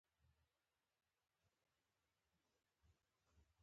تالابونه د افغانانو د ګټورتیا یوه مهمه برخه ده.